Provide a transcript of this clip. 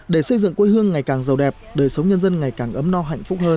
để xây dựng quê hương ngày càng giàu đẹp đời sống nhân dân ngày càng ấm no hạnh phúc hơn